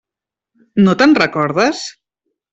No te'n recordes?